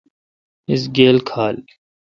اس گیل کھال۔